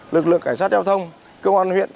lực lượng cảnh sát giao thông công an huyện